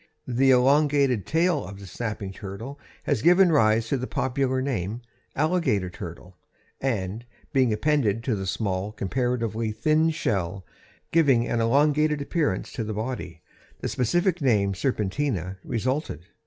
The elongated tail of the snapping turtle has given rise to the popular name, alligator turtle and, being appended to the small, comparatively thin shell, giving an elongated appearance to the body, the specific name serpentina resulted.